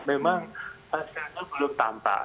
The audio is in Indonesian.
memang pasca itu belum tampak